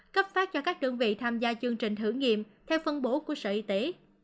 cấp phát cho các đơn vị tham gia chương trình thử nghiệm theo phân bố của sở y tế